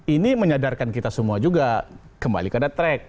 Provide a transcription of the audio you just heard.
ini menyadarkan kita semua juga kembali pada track